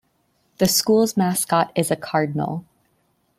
The school's mascot is a cardinal.